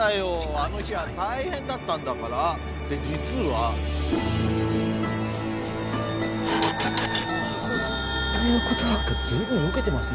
あの日は大変だったんだから実はということは随分よけてません？